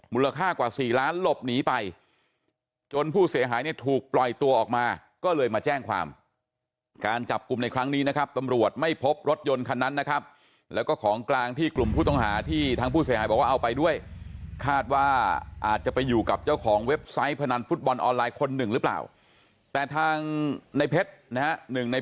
มูลค่ากว่าสี่ล้านหลบหนีไปจนผู้เสียหายเนี่ยถูกปล่อยตัวออกมาก็เลยมาแจ้งความการจับกลุ่มในครั้งนี้นะครับตำรวจไม่พบรถยนต์คันนั้นนะครับแล้วก็ของกลางที่กลุ่มผู้ต้องหาที่ทางผู้เสียหายบอกว่าเอาไปด้วยคาดว่าอาจจะไปอยู่กับเจ้าของเว็บไซต์พนันฟุตบอลออนไลน์คนหนึ่งหรือเปล่าแต่ทางในเพชรนะฮะหนึ่งใน